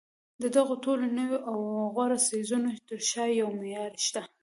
د دغو ټولو نویو او غوره څیزونو تر شا یو معیار شته